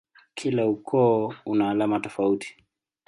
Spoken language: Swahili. Kila ukoo una alama tofauti.